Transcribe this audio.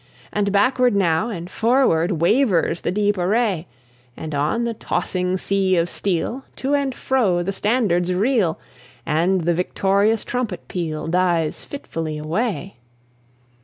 And backward now and forward Wavers the deep array; And on the tossing sea of steel To and fro the standards reel; And the victorious trumpet peal Dies fitfully away.